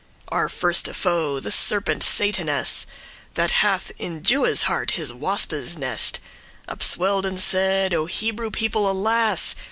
*cease Our firste foe, the serpent Satanas, That hath in Jewes' heart his waspe's nest, Upswell'd and said, "O Hebrew people, alas!